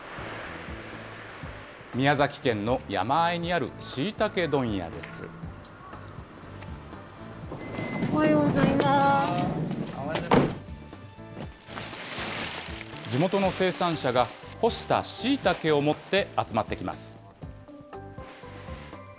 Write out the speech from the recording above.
宮崎県の山あいにある、しいたけ地元の生産者が、干したしいたけを持って集まってきます。